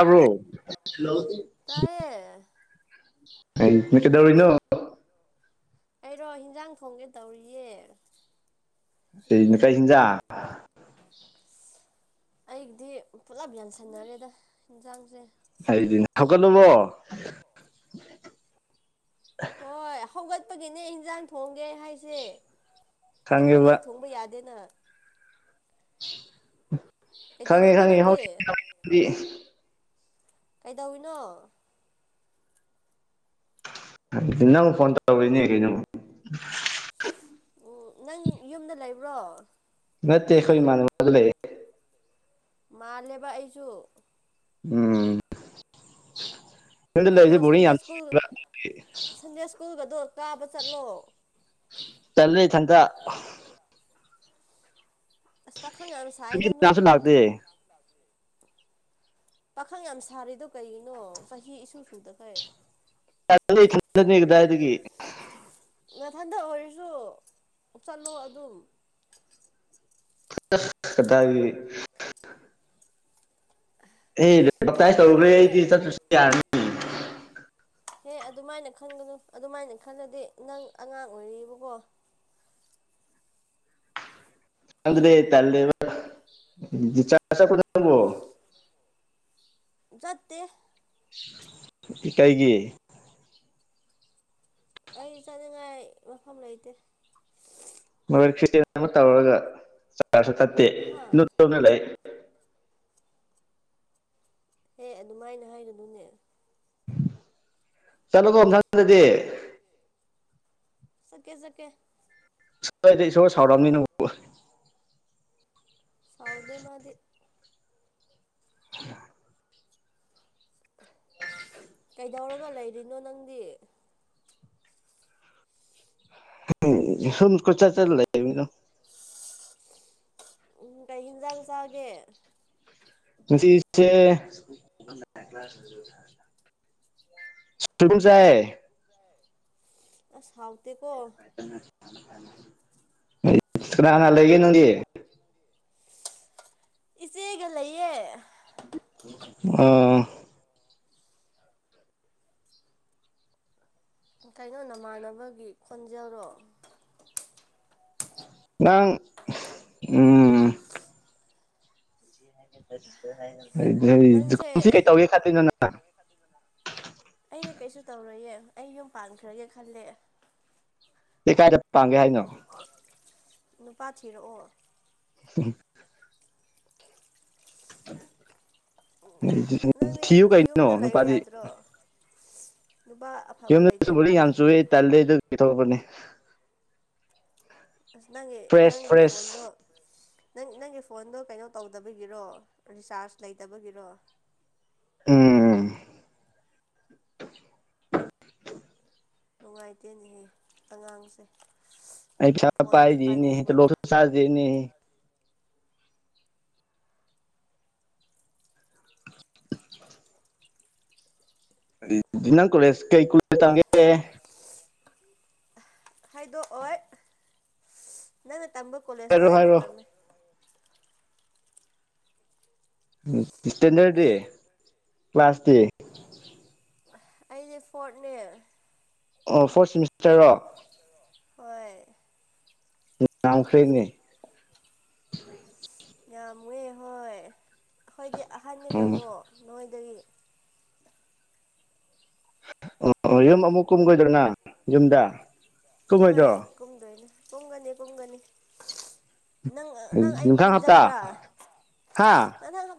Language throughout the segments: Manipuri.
ꯑꯕ꯭ꯔꯣ ꯇꯥꯏꯌꯦ ꯀꯩꯗꯧꯔꯤꯅꯣ ꯑꯩꯔꯣ ꯍꯤꯟꯖꯥꯡ ꯊꯣꯡꯒꯦ ꯇꯧꯔꯤꯌꯦ ꯀꯩꯅꯣ ꯀꯩ ꯏꯟꯖꯥꯡ ꯑꯩꯒꯤꯗꯤ ꯄꯨꯂꯞ ꯌꯥꯟꯁꯟꯅꯔꯦꯗ ꯌꯦꯟꯁꯥꯡꯁꯦ ꯑꯩꯗꯤ ꯍꯧꯒꯠꯂꯕꯣ ꯍꯣꯏ ꯍꯧꯒꯠꯄꯒꯤꯅꯦ ꯏꯟꯖꯥꯡ ꯊꯣꯡꯒꯦ ꯍꯥꯏꯁꯦ ꯈꯪꯉꯦꯕ ꯇꯨꯝꯃꯒꯗꯤ ꯊꯣꯡꯕ ꯌꯥꯗꯦꯅ ꯈꯪꯉꯤ ꯀꯩꯗꯧꯔꯤꯅꯣ ꯈꯪꯉꯤ ꯅꯪꯗꯤ ꯍꯧꯖꯤꯛꯗꯤ ꯀꯩꯗꯧꯏꯅꯣ ꯅꯪ ꯐꯣꯟ ꯇꯧꯔꯤꯅꯦ ꯀꯩꯅꯣ ꯎꯝ ꯅꯪ ꯌꯨꯝꯗ ꯂꯩꯕ꯭ꯔꯣ ꯅꯦꯈꯣꯏ ꯃꯥꯅꯦ ꯃꯗ ꯂꯩ ꯃꯥꯜꯂꯦꯕ ꯑꯩꯁꯨ ꯎꯝ ꯌꯨꯝꯗ ꯀꯩꯅꯣ ꯂꯩꯔꯤꯁꯦ ꯕꯣꯔꯤꯡ ꯁꯟꯗꯦ ꯌꯥꯝ ꯁ꯭ꯀꯨꯜ ꯆꯨꯏꯕ ꯁꯟꯗꯦ ꯁ꯭ꯀꯨꯜꯒꯗꯣ ꯇꯥꯕ ꯆꯠꯂꯣ ꯆꯂꯔꯤ ꯊꯟꯗ꯭ꯔ ꯑꯁ ꯄꯈꯪ ꯌꯥꯝ ꯃꯤ ꯁꯥꯏꯗ ꯀꯅꯥꯁꯨ ꯅꯣꯏꯁꯨ ꯂꯥꯛꯇꯦ ꯄꯥꯈꯪ ꯌꯥꯝ ꯁꯥꯔꯤꯗꯣ ꯀꯩꯒꯤꯅꯣ ꯆꯍꯤ ꯏꯁꯨ ꯁꯨꯗꯈꯩ ꯏꯅꯤꯗꯥ ꯍꯥꯏ ꯑꯗꯨꯒꯤ ꯃꯊꯟꯗ ꯑꯣꯏꯔꯁꯨ ꯆꯠꯂꯣ ꯑꯗꯨꯝ [unintelligible] ꯑꯦ ꯄꯇ ꯑꯩ ꯇꯧꯔꯨꯨꯔ꯭ꯔꯦ ꯅꯊꯟꯗ ꯑꯩꯗꯤ ꯆꯠꯇ ꯌꯥꯔꯅꯤ ꯍꯦ ꯑꯗꯨꯃꯥꯏꯅ ꯈꯟꯒꯅꯨ ꯑꯗꯨꯃꯥꯏꯅ ꯈꯜꯂꯗꯤ ꯅꯪ ꯑꯉꯥꯡ ꯑꯣꯏꯔꯤꯕꯀꯣ ꯅꯗ꯭ꯔꯦ ꯇꯂꯕ ꯆꯆꯥꯕꯣ ꯆꯠꯇꯦ ꯃꯤꯇꯩꯒꯤ ꯑꯩ ꯆꯠꯅꯤꯡꯉꯥꯏ ꯃꯐꯝ ꯂꯩꯇꯦ ꯃꯈꯣꯏ ꯀꯇꯦꯟ ꯑꯃ ꯇꯧꯔꯒ ꯆꯥꯔꯁꯨ ꯇꯠꯇꯦ ꯍꯥ ꯂꯨꯠꯇꯨꯅ ꯂꯩ ꯑꯦ ꯑꯗꯨꯃꯥꯏꯅ ꯍꯥꯏꯔꯗꯨꯅꯦ [unintelligible] ꯁꯀꯦ ꯁꯀꯦ ꯗꯤ ꯏꯁ ꯁꯥꯎꯔꯝꯃꯤ ꯅꯪꯕꯣ ꯁꯥꯎꯗꯦ ꯃꯥꯗꯤ [inaudible] ꯀꯩꯗꯧꯔꯒ ꯂꯩꯔꯤꯅꯣ ꯅꯪꯗꯤ [unintelligible] ꯎꯝ ꯀꯩ ꯍꯤꯟꯖꯥꯡ ꯆꯥꯒꯦ ꯉꯁꯤꯁꯦ ꯁꯣꯏꯕꯨꯝ ꯆꯥꯏꯌꯦ ꯑꯁ ꯍꯥꯎꯇꯦꯀꯣ ꯀꯅꯥ ꯀꯅꯥ ꯂꯩꯒꯦ ꯅꯪꯗꯤ ꯏꯆꯦꯒ ꯂꯩꯌꯦ ꯑꯥ ꯀꯩꯅꯣ ꯅꯃꯥꯟꯅꯕꯒꯤ ꯈꯣꯟꯖꯦꯜꯔꯣ ꯅꯪ ꯎꯝ ꯅꯪꯁꯦ ꯍꯥꯏ ꯁꯤꯀꯩꯇꯧꯒ‌ꯦ ꯀꯠꯇꫭꯏꯅꫭ ꯅꯪ ꯑꯩꯗꯤ ꯀꯩꯁꯨ ꯇꯧꯔꯣꯏꯌꯦ ꯑꯩ ꯌꯨꯝ ꯄꯥꯟꯈ꯭ꯔꯒꯦ ꯈꯜꯂꯦ ꯂꯤꯀꯥꯏꯗ ꯄꯥꯥꯡꯒꯦ ꯍꯥꯏꯅꫭ ꯅꯨꯄꯥ ꯊꯤꯔꯛꯑꯣ ꯍꯝ ꯍꯝ ꯅꯪꯗꯤ ꯊꯤꯌꯨ ꯀꯩꯅꯣ ꯌꯨꯝꯗ ꯂꯩꯌꯨ ꯅꯨꯄꯥꯗꯤ ꯌꯥꯗ꯭ꯔꯣ ꯅꯨꯄꯥ ꯑꯐꯕ ꯌꯨꯝꯗ ꯆꯨꯕꯗꫭ ꯌꯥꯝ ꯂꯩꯇꯦꯕꯀꯣ ꯌꯨꯏꯌ‌ꯦ ꯇꯜꯂ‌ꯦ ꯑꯗꯨꯒꯤ ꯊꫭꯛꯂꯛꯄꯅ‌ꯦ ꯑꯁ ꯅꯪꯒꯤ ꯐ꯭ꯔꯦꯁ ꯅꯪꯒꯤ ꯐ꯭ꯔꯦꯁ ꯐꯣꯟꯗꯣ ꯅꯪ ꯅꯪꯒꯤ ꯐꯣꯟꯗꯣ ꯀꯩꯅꯣ ꯇꯧꯗꯕꯒꯤꯔꯣ ꯔꯤꯆꯥꯔꯖ ꯂꯩꯇꯕꯒꯤꯔꯣ ꯎꯝ ꯅꯨꯡꯉꯥꯏꯇꯦꯅꯦꯍꯦ ꯑꯉꯥꯡꯁꯦ ꯑꯩ ꯄꯩꯁ ꯐꯣꯟꯁꯨ ꯄꯥꯏꯗꯤꯍ‌ꯦ ꯄꯥꯏꯅꯤꯡꯕꯀꯣ ꯇꫭꯂꫭꯞꯁꯨ ꯆꯥꯗ‌ꯦꯅ‌ꯦꯍ‌ꯦ ꯅꯪ ꯀꫭꯂꯦꯁ ꯀꯩ ꯀꯨꯂ‌ꯦꯁ ꯇꯝꯒꯦ ꯍꯥꯏꯗꯣꯛꯑꯣꯏ ꯅꯪꯅ ꯇꯝꯕ ꯀꯣꯂꯦꯖꯇꯣ ꯍꯥꯏꯔꯣ ꯑꯩꯁꯨ ꯍꯥꯏꯔꯣ ꯇꯝꯃꯦ ꯇ‌ꯦꯅꯔꯗꯤ ꯀ꯭ꯂꯥꯁꯇꯤ ꯑꯩꯁꯦ ꯐꯣꯔꯠꯅꯦ ꯑꯣ ꯐꯣꯔꯠ ꯁꯤꯃꯤꯁꯇꫪꯔꯣ ꯍꯣꯏ ꯉꯝꯈꯩꯅꯦ [unintelligible] ꯌꯥꯝꯃꯦ ꯍꯣꯏ ꯑꯩꯈꯣꯏꯗꯤ ꯑꯍꯟꯅꯤ ꯎꯝ ꯀꯩꯅꯣ ꯅꯣꯏ ꯑꯣ ꯌꯨꯝ ꯑꯃꯨꯛ ꯀꯨꯝꯒꯣꯏꯗꯔꯉꯥ ꯌꯨꯝꯗꯥ ꯑ ꯍꯣꯏ ꯀꯨꯝꯗꫭꯏꯅꯦ ꯀꯨꯝꯒꯅꯤ ꯀꯨꯝꯒꯅꯤ ꯅꯪ ꯅꯪ ꯑꯩꯕꯨ ꯃꯊꯪ ꯍꯞꯇꯥ ꯅꯤꯡꯖꯪꯕ꯭ꯔꯥ ꯍꯥ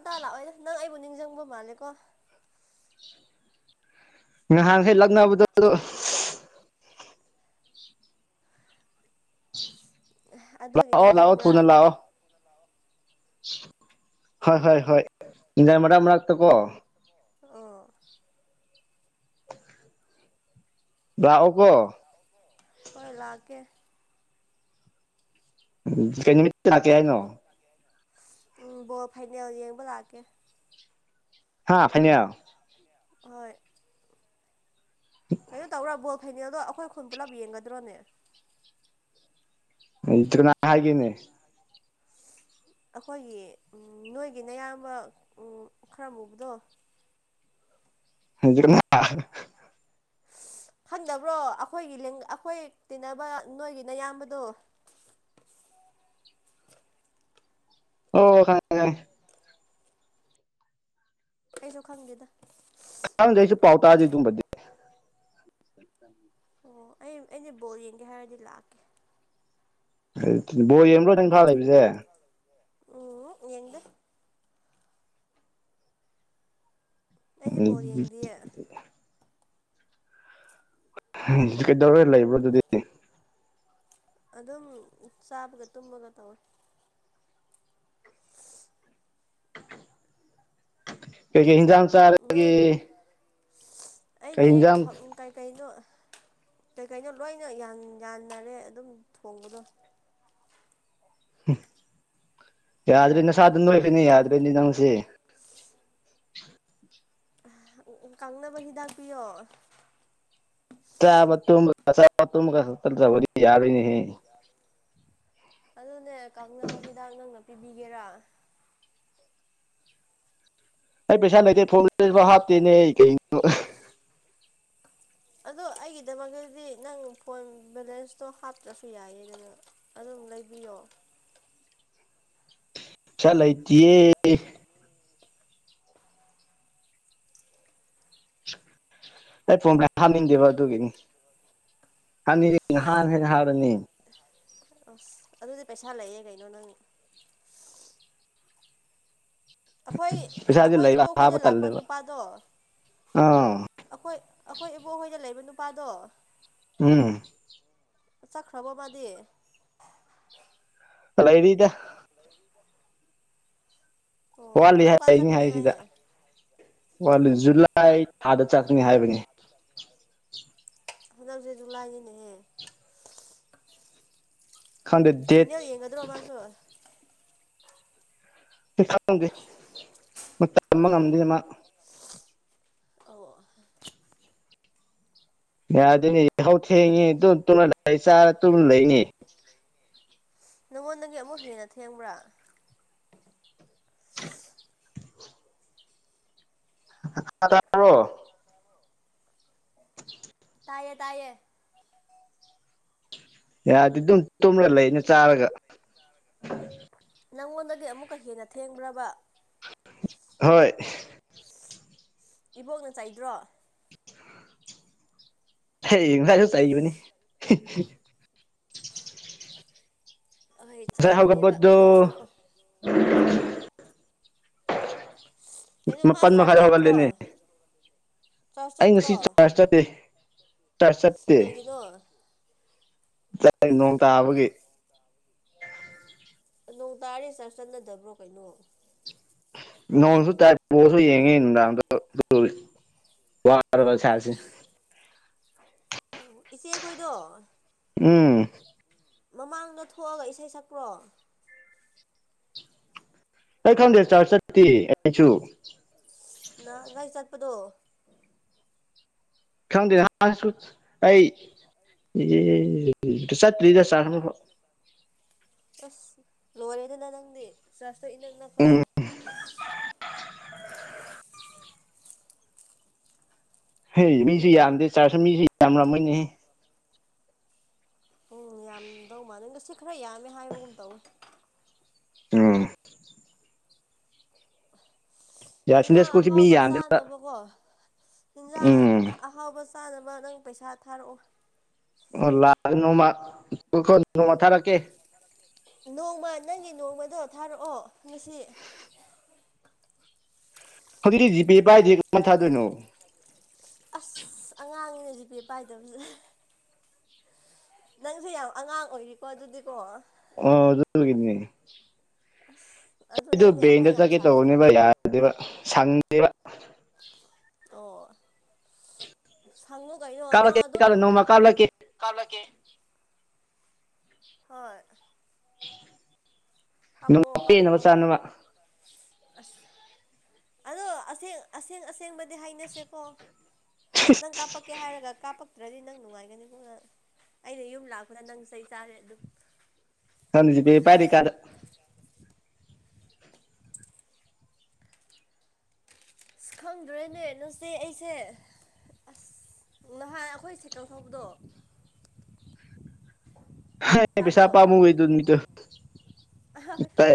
ꯇꯥ ꯂꯥꯛꯑꯣꯏꯅ ꯅꯪ ꯑꯩꯕꯨ ꯅꯤꯡꯖꯪꯕ ꯃꯥꯜꯂꯦꯀꯣ ꯉꯍꯥꯟꯈꯩ ꯂꯛꯅꯕꯗꫭ ꯑꯗꯨ ꯑꯗꯨꯒꯤ ꯂꯥꯛꯑꯣ ꯂꯥꯛꯑꯣ ꯊꯨꯅ ꯅꯤꯡꯁꯤꯡꯕ꯭ꯔꯥ ꯂꯥꯛꯑꯣ ꯍꯣꯏ ꯍꯣꯏ ꯍꯣꯏ ꯅꯪ ꯃꯔꯛ ꯃꯔꯛ ꯇꯀꯣ ꯑ ꯂꯥꯛꯎꯨ ꯀꯣ ꯍꯣꯏ ꯂꯥꯛꯀꯦ ꯎꯝ ꯀꯩ ꯅꯨꯃꯤꯠꯇ ꯂꯥꯛꯀꯦ ꯍꯥꯏꯅꯣ ꯎꯝ ꯕꫭꯜ ꯐꯥꯏꯅꯦꯜ ꯌꯦꯡꯕ ꯂꯥꯛꯀꯦ ꯍꯥꯥ ꯐꯥꯏꯅ‌ꯦꯜ ꯍꯣꯏ ꯀꯩꯅꯣ ꯇꯧꯔ ꯕꯣꯜ ꯐꯩꯅꯦꯜꯗꯣ ꯑꯩꯈꯣꯏ ꯈꯨꯟ ꯄꯨꯜꯂꯞ ꯌꯦꯡꯒꯗ꯭ꯔꯣꯅꯦ ꯑꯝ ꯇꫪꯤꯅ ꯍꯥꯏꯒꯤꯅ‌ꯦ ꯑꯩꯈꯣꯏꯒꯤ ꯎ ꯅꯣꯏꯒꯤ ꯅꯌꯥꯝꯕ ꯎ ꯈꯔ ꯌꯨꯕꯗꯣ [unintelligible] ꯈꯟꯗꯕ꯭ꯔꯣ ꯑꯩꯈꯣꯏꯒꯤ ꯂ‌ꯦꯡꯒ ꯑꯩꯈꯣꯏ ꯇꯤꯟꯅꯕ ꯅꯣꯏꯒꯤꯅ ꯏꯌꯥꯝꯕꯗꯣ [unintelligible] ꯑꯣ ꯈꯪꯉ‌ꯦ ꯈꯪꯉ‌ꯦ ꯑꯩꯁꯨ ꯈꯪꯗ‌ꯦꯗ ꯑꯉꯥꯡꯒꯩꯖꯨ ꯄꯥꯎꯇꯥꯗꯤ ꯑꯗ‌ꯦ ꯑꯗꯨꯒꯨꯝꯗꯤ ꯑꯣ ꯑꯩ ꯑꯩꯅ ꯕꯣꯜ ꯌꯦꯡꯒꯦ ꯍꯥꯏꯔꯗꯤ ꯂꯥꯛꯀꯦ ꯕꯣꯔ ꯌꯦꯡꯕ꯭ꯔꯣ ꯅꯪ ꯏꯝꯐꯥꯜ ꯂꯩꯕꯖ‌ꯦ ꯎꯝ ꯌꯦꯡꯗ‌ꯦ ꯑꯩꯗꯤ ꯕꫭꯜ ꯌꯦꯡꯗꯤꯌꯦ ꯀꯩꯗꯧꯔꯒ ꯂꯩꯕ꯭ꯔ ꯑꯗꯨꯗꯤ ꯑꯗꯨꯝ ꯆꯥꯕꯒ ꯇꯨꯝꯕꯒ ꯇꯧꯋꯦ ꯀ ꯍꯤꯟꯖꯥꯡ ꯆꯔꯒꯤ ꯑꯩꯁꯦ ꯀꯩ ꯀꯩꯅꯣ ꯀꯩ ꯀꯩꯅꯣ ꯂꯣꯏꯅ ꯌꯥꯟꯅꯔꯦ ꯑꯗꯨꯝ ꯊꯣꯡꯕꯗꯣ ꯌꯥꯗꯕꯤꯅ ꯁꯥꯗꯟꯣꯏꯕꯅꯤ ꯌꯥꯗꯕꯤꯅꯤ ꯅꯅꯨꯡꯁꯤꯦ ꯀꯪꯅꯕ ꯍꯤꯗꯥꯛ ꯄꯌꯣ ꯆꯥꯕ ꯇ ꯆꯥ ꯇ ꯋꯥꯔꯤ ꯌꯥꯔꯅꯤ ꯑꯗꯨꯅꯦ ꯀꯪꯅꯕ ꯍꯤꯗꯥꯛ ꯅꯪꯅ ꯄꯤꯕꯤꯒꯦꯔꯥ ꯑꯩ ꯄꯩꯁꯥ ꯂꯩꯇꯦ ꯊꯣꯡ ꯍꯥꯞꯇꯦꯅꯦ ꯑꯩ ꯀꯩꯅꯣ ꯑꯗꯣ ꯑꯩꯒꯤꯗꯃꯛꯇꯗꯤ ꯅꯪ ꯐꯣꯟ ꯕꯦꯂꯦꯟꯁꯇꯣ ꯍꯥꯞꯇ꯭ꯔꯁꯨ ꯌꯥꯏꯌꯦꯗꯅ ꯂꯩꯕꯤꯌꯣ ꯎ ꯆꯂ ꯑꯇꯦ ꯑꯩ ꯐꯣ ꯍꯥꯅꯤꯡꯗꯦꯕ ꯑꯗꯨꯒꯤꯅꯤ ꯍꯅꯤ ꯍꯥꯥꯟ ꯍ ꯍꯥꯔꯅꯤ ꯑꯁ ꯑꯗꯨꯗꯤ ꯄꯩꯁꯥ ꯂꯩꯌꯦꯦ ꯀꯩꯅꯣ ꯅꯪ ꯑꯩꯈꯣꯏ ꯄꯩꯁꯥꯗꯤ ꯑꯩꯈꯣꯏ ꯂꯩꯕ ꯏꯕꯨꯡꯈꯣꯏꯗ ꯍꯥꯞꯄ ꯂꯥꯛꯄ ꯇꯜꯂꯦꯕ ꯅꯨꯄꯥꯗꯣ ꯑꯥ ꯑꯩꯈꯣꯏ ꯑꯩꯈꯣꯏ ꯏꯕꯨꯡꯍꯣꯏꯗ ꯂꯩꯕ ꯅꯨꯄꯥꯗꯣ ꯎꯝ ꯆꯠꯈ꯭ꯔꯕ ꯃꯥꯗꯤ ꯍꯂ ꯑꯦꯔꯤꯗ ꯑꯣ ꯋꯥꯠꯂꯤ ꯀꯔꯝ ꯀꯥꯟ ꯍꯥꯏꯅꯤ ꯆꯠꯀꯅꯤ ꯍꯥꯏ ꯍꯥꯏꯌꯦ ꯁꯤꯗ ꯋꯥꯂꯤ ꯑꯣ ꯖꯨꯂꯥꯏ ꯊꯥꯗ ꯆꯠꯀꯅꯤ ꯍꯥꯏꯕꯅꯤ ꯍꯗꯛꯁꯦ ꯑꯗꯨ ꯂꯥꯏꯒꯅꯦꯍꯦ ꯈꯪꯗꯦꯠ ꯗꯦꯠ ꯃꯥꯁꯨ ꯄꯩ ꯈꯥ ꯉꯝꯗꯦ ꯇꯝꯕ ꯉꯝꯗꯦ ꯃꯥ ꯑꯣ ꯌꯥ ꯑꯗꯨꯅꯦ ꯍꯧ ꯊꯦꯡꯉꯤꯨꯅ ꯂꯩ ꯆꯥꯔ ꯇꯅ ꯂꯩꯅꯤ ꯅꯪꯉꯣꯟꯗꯒꯤ ꯑꯃꯨꯛ ꯍꯦꯟꯅ ꯊꯦꯡꯕ꯭ꯔꯥ [unintelligible] ꯇꯥ꯭ꯔꯣ ꯇꯌꯦ ꯇꯌꯦ ꯑꯗꯨ ꯇꯣꯂꯂ ꯏꯅ ꯆꯥꯔꯒ ꯅꯪꯉꯣꯟꯗꯒꯤ ꯑꯃꯨꯛꯀ ꯍꯦꯟꯅ ꯊꯦꯡꯈ꯭ꯔꯕ ꯍꯣꯏ ꯏꯕꯣꯛꯅ ꯆꯩꯥꯏꯗ꯭ꯔꯣ ꯉꯁꯥꯏꯁꯨ ꯆꯩꯕꯅꯤ ꯑꯍꯣꯏ ꯉꯁꯥꯏ ꯆꯩꯒꯅꯦꯕ ꯍꯒꯠꯄꯗꯨ ꯊꯦꯡꯉꯗꯤꯀꯣ ꯀꯩꯅꯣ ꯃꯥ ꯃꯄꯟ ꯆꯔꯆ ꯃꯈꯥꯏꯗ ꯍꯧꯒꯠ ꯆꯠꯇ꯭ꯔꯣ ꯂꯤꯅꯦ ꯆꯔꯆ ꯑꯩ ꯉꯁꯤ ꯆꯠꯇ꯭ꯔꯣ ꯆꯥꯔꯖ ꯆꯠꯇꯦ ꯆꯥꯔꯖ ꯆꯠꯇꯦ ꯀꯩꯒꯤꯅꯣ ꯆꯥꯏ ꯅꯣꯡ ꯇꯥꯕꯒꯤ ꯅꯣꯡ ꯇꯥꯔꯗꯤ ꯆꯔꯖ ꯆꯠꯅꯗꯕ꯭ꯔꯣ ꯀꯩꯅꯣ ꯅꯣꯡꯁꯨ ꯇꯥꯏ [unintelligible] ꯌꯦꯡꯉꯤ ꯅꯨꯡꯗꯥꯡꯗꯣ [unintelligible] ꯋꯥꯔꯕ ꯏꯁꯥꯁꯦ ꯑꯣ ꯏꯆꯦ ꯑꯩꯈꯣꯏꯗꯣ ꯎꯝ ꯃꯃꯥꯡꯗ ꯊꯣꯛꯑꯒ ꯏꯁꯩ ꯁꯛꯄ꯭ꯔꯣ ꯑꯩ ꯈꯪꯗꯦ ꯆꯔꯖ ꯆꯠꯇꯦ ꯑꯩꯁꯨ ꯉꯍꯥꯟꯒꯩ ꯆꯠꯄꯗꯣ ꯈꯪꯗꯦ [unintelligible] ꯑꯩ [unintelligible] ꯆꯠꯇ꯭ꯔꯤꯗ ꯆꯥꯡꯅꯕ ꯑꯁ ꯂꯣꯏꯔꯦꯗꯅ ꯅꯪꯗꯤ ꯆꯔꯁ ꯇꯣ ꯏꯅꯛ ꯅꯛꯈꯩ ꯎꯝ ꯍꯩ ꯃꯤꯁꯤ ꯌꯥꯝꯗꯦ ꯆꯔꯁꯇꯣ ꯃꯤꯁꯤ ꯌꯥꯝꯔꯝ ꯃꯣꯏꯅꯦ ꯎꯝ ꯌꯥꯝꯗꯧ ꯃꯥꯜꯂꯦ ꯉꯁꯤ ꯈꯔ ꯌꯥꯝꯃꯦ ꯍꯥꯏꯕꯒꯨꯝ ꯇꯧꯋꯦ ꯎꯝ ꯌꯥ ꯁꯟꯗꯦ ꯍꯤꯟꯖꯥꯡ ꯁ꯭ꯀꯨꯜꯁꯤ ꯃꯤ ꯑꯍꯥꯎꯕ ꯌꯥꯝꯗꯦꯕ ꯆꯥꯅꯕꯀꯣ ꯍꯤꯟꯖꯥꯡ ꯎꯝ ꯑꯍꯥꯎꯕ ꯆꯥꯅꯕ ꯅꯪ ꯄꯩꯁꯥ ꯊꯥꯔꯛꯑꯣ ꯑꯣ ꯂꯥꯛ [unintelligible] ꯅꯣꯡꯃ ꯅꯣꯡꯃ ꯊꯥꯔꯛꯀꯦ ꯅꯣꯡꯃ ꯅꯪꯒꯤ ꯅꯣꯡꯃꯗꯣ ꯊꯥꯔꯛꯑꯣ ꯉꯁꯤ ꯍꯧꯖꯤꯛꯇꯤ ꯖꯤꯄꯦ ꯄꯥꯏꯗꯦ ꯀꯃꯥꯏꯅ ꯊꯥꯗꯣꯏꯅꯣ ꯑꯁ ꯑꯉꯥꯡꯅꯤꯅꯦ ꯖꯤꯄꯦ ꯄꯥꯏꯗꯕꯁꯦ ꯅꯪꯁꯦ ꯌꯥꯝ ꯑꯉꯥꯡ ꯑꯣꯏꯔꯤꯀꯣ ꯑꯗꯨꯗꯤꯀꯣ ꯑ ꯑꯗꯨꯒꯤꯅꯦ ꯑꯁ ꯑꯗꯨ ꯑꯩꯗꯣ ꯅꯪꯗꯤ ꯑꯍꯟ ꯕꯦꯡꯗ ꯌꯥꯝ ꯆꯀꯦ ꯁꯥꯏꯗ ꯇꯧꯕꯅꯦꯕ ꯌꯥꯗꯦꯕ ꯁꯪꯗꯦꯕ ꯑꯣ ꯁꯪꯉꯨ ꯀꯩꯅꯣ ꯅꯪ ꯀꯥꯞꯂꯛꯀꯦ ꯑꯗꯨꯝ ꯀꯥꯞꯂ ꯅꯣꯡꯃ ꯀꯥꯞꯂꯛꯀꯦ ꯍꯣꯏ [unintelligible] ꯅꯣꯡꯃ ꯀꯥꯞꯄꯛꯑꯣ ꯄꯦꯟꯅꯕ ꯀꯞꯄꯛꯑꯣ ꯆꯥꯅꯕ ꯑꯁ ꯑꯗꯣ ꯑꯁꯦꯡ ꯑꯁꯦꯡꯕꯗꯤ ꯍꯥꯏꯅꯁꯦꯀꯣ ꯅꯪ ꯀꯥꯄꯛꯀꯦ ꯍꯥꯔꯒ ꯀꯥꯄ ꯄꯛ ꯇ꯭ꯔꯗꯤ ꯅꯪ ꯅꯨꯡꯉꯥꯏꯒꯅꯤꯀꯣ ꯅꯪ ꯑꯩꯅ ꯌꯨꯝ ꯂꯥꯛꯄꯗ ꯅꯪ ꯆꯩ ꯆꯥꯔꯦ ꯑꯗꯨꯝ [unintelligible] ꯖꯤꯄꯦ ꯄꯥꯏꯗ꯭ꯔꯤ ꯀꯥꯟꯗ ꯑꯁ ꯈꯪꯗ꯭ꯔꯦꯅꯦ ꯅꯆꯦ ꯑꯩꯁꯦ ꯑꯁ ꯅꯍꯥꯟ ꯑꯩꯈꯣꯏ ꯁꯥꯏꯀꯜ ꯊꯧꯕꯗꯣ [unintelligible] ꯄꯩꯁꯥ ꯇꯥꯕ꯭ꯔꯣ ꯄꯃꯨꯒ ꯇ ꯃꯤꯇ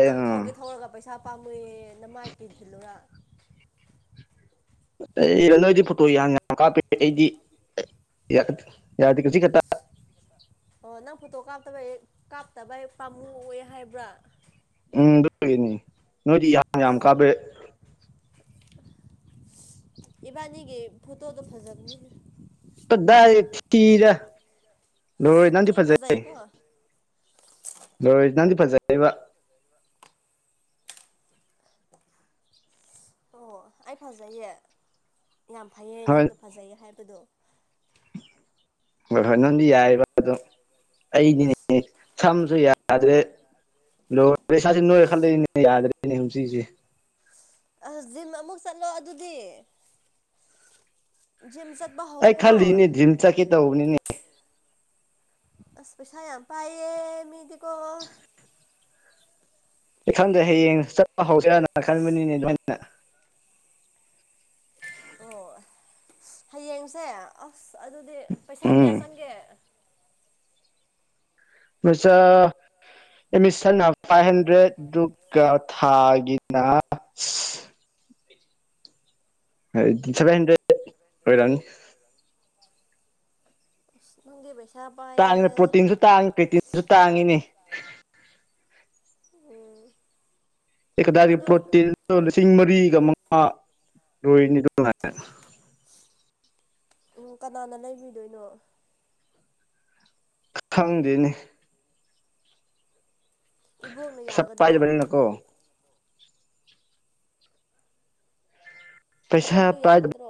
ꯅꯪ ꯊꯧꯒꯦ ꯊꯧꯔꯒ ꯄꯩꯁꯥ ꯄꯥꯝꯃꯨꯏꯌꯦ ꯅꯃꯥꯏ ꯀꯤꯟ ꯊꯤꯜꯂꯨꯔ [unintelligible] ꯄꯨꯠꯇꯣ ꯌꯥꯝ ꯌꯥꯝ ꯀꯥꯄꯦ ꯑꯩꯗꯤ ꯌꯥꯗꯦ ꯌꯥꯗꯦ ꯀꯖꯤꯛ ꯈꯛꯇ ꯑꯣ ꯅꯪ ꯐꯣꯇꯣ ꯀꯥꯞꯇꯕꯩ ///////ꯍ ꯀꯥꯞꯇꯕ ꯍꯦꯛ ꯄꯥꯝꯃꯨꯑ ꯍꯥꯏꯕ꯭ꯔꯥ ꯎꯝ ꯑꯗꯨꯒꯤꯅꯤ ꯅꯣꯏꯗꯤ ꯌꯥꯝ ꯌꯥꯝ ꯑꯁ ꯀꯥꯕꯦ ꯏꯕꯥꯅꯤꯒꯦ ꯐꯨꯇꯣꯗ ꯐꯖꯕꯅꯤ ꯗꯥꯏꯗꯩ ꯊꯤꯗ ꯂꯣꯏꯔꯦ ꯅꯪꯗꯤ ꯊꯤ ꯐꯖꯩ ꯐꯖꯩꯀꯣ ꯂꯣꯏꯔꯦ ꯅꯪꯗꯤ ꯐꯖꯩꯕ ꯑꯣ ꯑꯩ ꯐꯖꯩꯌꯦ ꯌꯥꯝ ꯐꯩꯑꯦ ꯍꯣꯏ ꯅꯪꯅ ꯐꯖꯩꯌꯦ ꯍꯥꯏꯕꯗꯣ [unintelligible] ꯍꯣꯏ ꯍꯣꯏ ꯅꯪꯗꯤ ꯌꯥꯔꯤꯕ ꯑꯗꯣ ꯑꯩꯗꯤꯅꯦ ꯁꯝꯁꯨ ꯌꯥꯗ꯭ꯔꯦ ꯂꯣꯢꯔꯦ ꯢꯁꯥꯁꯦ ꯅꯣꯢꯈꯠꯂꯦꯅꯦ ꯌꯗꯥꯔꯦꯅꯦ ꯑꯁ ꯖꯤꯝ ꯑꯃꯨꯛ ꯆꯠꯂꯣ ꯑꯗꯨꯗꯤ ꯖꯤꯝ ꯆꯠꯄ ꯑꯩ ꯍꯧꯈ꯭ꯔꯣ ꯈꯜꯂꯤꯅꯦ ꯖꯤꯝ ꯆꯠꯀꯦ ꯇꯧꯕꯅꯤꯅꯦ ꯑꯁ ꯄꯩꯁ ꯌꯥꯝ ꯄꯌꯦ ꯃꯤꯗꯤ ꯀꯣ ꯈꯪꯗꯦ ꯍꯌꯦꯡ ꯆꯠꯄ ꯍꯧꯁꯤꯔꯅ ꯈꯟꯕꯅꯤꯅꯦ ꯑꯗꯨꯃꯥꯏꯅ ꯑꯣ [unintelligible] ꯍꯌꯦꯡꯁꯦ ꯑꯁ ꯑꯗꯨꯗꯤ ꯄꯩꯁꯥ ꯎꯝ ꯀꯌꯥ ꯆꯪꯒꯦ ꯄꯩꯁꯥ ꯑꯦꯗꯃꯤꯁꯟꯅ ꯐꯥꯏꯚ ꯍꯟꯗ꯭ꯔꯦꯗꯗꯨꯀ ꯊꯥꯒꯤꯅ [unintelligible] ꯁꯚꯦꯟ ꯍꯟꯗ꯭ꯔꯦꯠ ꯑꯣꯏꯔꯝꯅꯤ ꯅꯪꯒꯤ ꯄꯩꯁꯥ ꯄꯥꯏꯌꯦ ꯇꯥꯡꯉꯤꯅꯦ ꯄ꯭ꯔꯣꯇꯤꯟꯁꯨ ꯇꯥꯡꯉꯤ ꯄ꯭ꯔꯣꯇꯤꯟꯁꯨ ꯇꯥꯡꯉꯤꯅꯦ ꯎꯝ ꯀ ꯔꯤ ꯑꯗꯣ ꯄ꯭ꯔꯣꯠꯇꯤꯟꯂꯤꯁꯤꯡ ꯃꯔꯤꯒ ꯑ ꯂꯣꯢꯔꯦꯅꯦ ꯎ ꯀꯅꯥꯅ ꯂꯩꯕꯤꯗꯣꯏꯅꯣ ꯈꯪꯗꯦꯅꯦ ꯏꯕꯣꯛꯅ ꯄꯩꯁꯦ ꯌꯥꯒꯗ꯭ꯔꯣ ꯄꯥꯏꯖꯗꯕꯅꯤꯅ ꯀꯣ ꯄꯩꯁꯥ ꯏꯕꯣꯜꯇꯨ ꯄꯥꯏꯗꯕ ꯌꯒꯗꯔꯣ